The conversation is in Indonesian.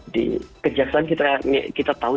di kejaksaan kita tahu